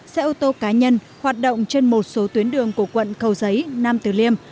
xe ô tô cá nhân hoạt động trên một số tuyến đường của quận cầu giấy nam tử liêm